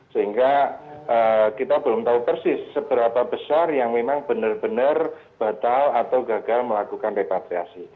sehingga kita belum tahu persis seberapa besar yang memang benar benar batal atau gagal melakukan repatriasi